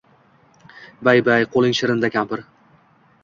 Bay-bay, qo`ling shirinda kampir